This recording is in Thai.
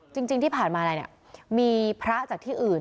จริงที่ผ่านมาอะไรเนี่ยมีพระจากที่อื่น